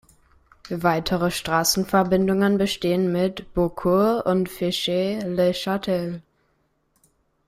Weitere Straßenverbindungen bestehen mit Beaucourt und Fesches-le-Châtel.